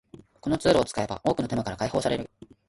このツールを使えば多くの手間から解放される